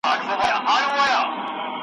ځکه چي ورځ بېله هغه هم ښه زېری نه راوړي `